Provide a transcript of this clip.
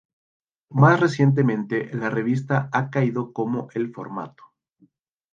Más recientemente, la revista ha caído como el formato.